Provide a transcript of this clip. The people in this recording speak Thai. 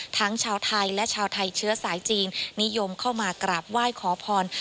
ทั้งชาวไทยและชาวไทยเชื้อสายจีนนิยมเข้ามากราบไหว้ขอพร